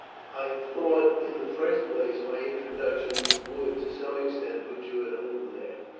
I thought, in the first place, my introduction would to some extent put you at home there.